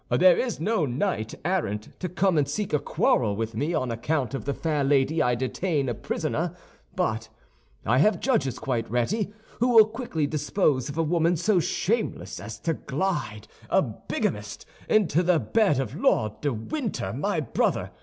There is no knight errant to come and seek a quarrel with me on account of the fair lady I detain a prisoner; but I have judges quite ready who will quickly dispose of a woman so shameless as to glide, a bigamist, into the bed of Lord de Winter, my brother.